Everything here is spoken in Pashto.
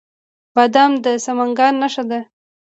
بادام د سمنګان نښه ده.